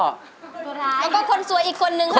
สุดท้ายแล้วก็คนสวยอีกคนนึงค่ะค่ะ